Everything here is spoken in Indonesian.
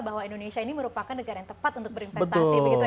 bahwa indonesia ini merupakan negara yang tepat untuk berinvestasi